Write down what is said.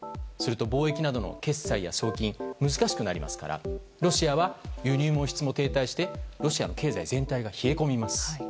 すると貿易などの決済や送金が難しくなりますからロシアは輸入も輸出も停滞してロシアの経済全体が冷え込みます。